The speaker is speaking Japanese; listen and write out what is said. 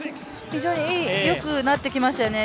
非常によくなってきましたよね。